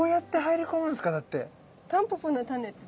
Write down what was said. タンポポのタネって。